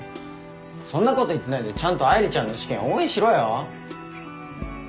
そんなこと言ってないでちゃんと愛梨ちゃんの試験応援しろよ。